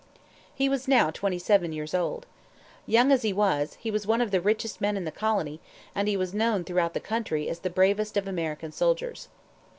He was now twenty seven years old. Young as he was, he was one of the richest men in the colony, and he was known throughout the country as the bravest of American soldiers.